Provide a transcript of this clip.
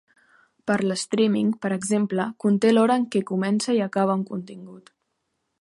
Per l'streaming, per exemple, conté l'hora en què comença i acaba un contingut.